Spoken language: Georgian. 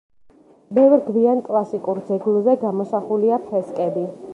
ბევრ გვიან კლასიკურ ძეგლზე გამოსახულია ფრესკები.